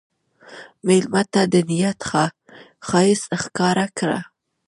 مېلمه ته د نیت ښایست ښکاره کړه.